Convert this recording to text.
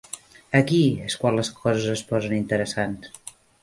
Aquí és quan les coses es posen interessants.